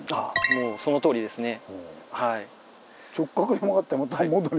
もうそのとおりですね。